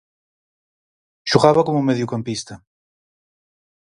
Xogaba como mediocampista.